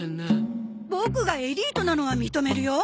ボクがエリートなのは認めるよ。